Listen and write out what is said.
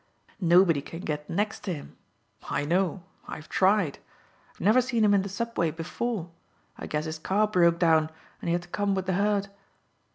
Nobody can get next to him. I know. I've tried. I've never seen him in the subway before. I guess his car broke down and he had to come with the herd."